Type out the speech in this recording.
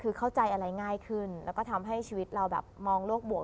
คือเข้าใจอะไรง่ายขึ้นแล้วก็ทำให้ชีวิตเราแบบมองโลกบวก